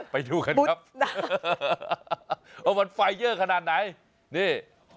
ไปดูกันครับว่ามันไฟเยอะขนาดไหนนี่